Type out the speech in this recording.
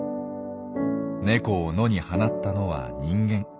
ネコを野に放ったのは人間。